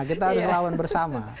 kita harus lawan bersama